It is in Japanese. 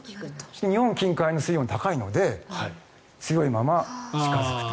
日本近海の水温が高いので強いまま近付くと。